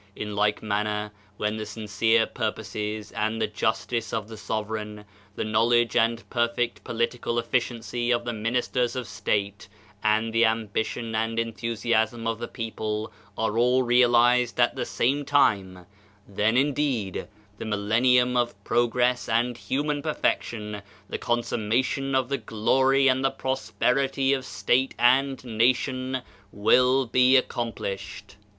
In like manner, when the sincere purposes and the justice of the sovereign, the knowledge and perfect political efliciency of the ministers of state and the ambition and enthusiasm of the people are all realized at the same time, then indeed, the mil lennium of progress and human perfection, the consummation of the glory and the prosperity of state and nation will be accomplished.